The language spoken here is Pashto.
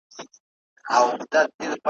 په تياره كوڅه كي بيرته خاموشي سوه `